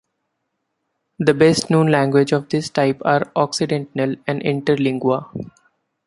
The best known languages of this type are Occidental and Interlingua.